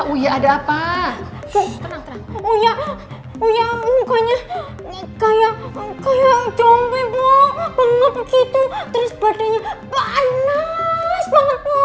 uya mukanya kayak zombie bu banget begitu terus badannya panas banget bu